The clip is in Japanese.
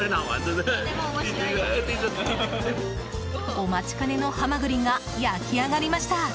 お待ちかねのハマグリが焼き上がりました！